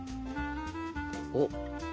おっ！